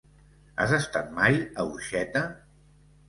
Has estat mai a Orxeta?